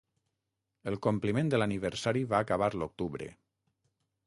El compliment de l'aniversari va acabar l'octubre.